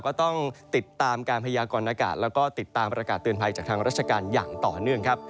ก็ต้องติดตามการพยากรณากาศแล้วก็ติดตามประกาศเตือนภัยจากทางราชการอย่างต่อเนื่องครับ